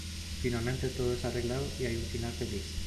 Finalmente todo es arreglado y hay un final feliz.